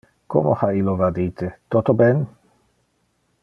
Como ha illo vadite, toto ben?